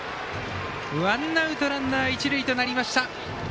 ワンアウト、ランナー、一塁となりました。